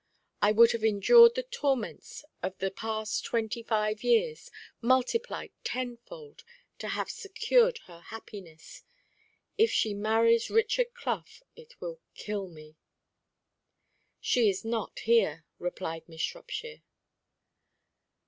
I would have endured the torments of the past twenty five years, multiplied tenfold, to have secured her happiness. If she marries Richard Clough, it will kill me." "She is not here," replied Miss Shropshire.